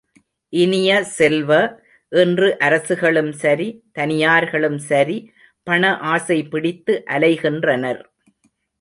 இனிய செல்வ, இன்று அரசுகளும் சரி, தனியார்களும் சரி, பண ஆசை பிடித்து அலைகின்றனர்.